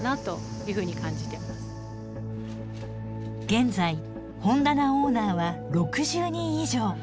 現在本棚オーナーは６０人以上。